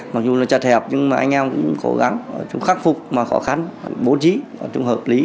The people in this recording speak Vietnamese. mặc dù là chặt hẹp nhưng mà anh em cũng cố gắng chúng khắc phục mà khó khăn bố trí chúng hợp lý